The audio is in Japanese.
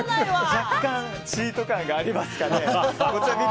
若干、チート感がありますかね。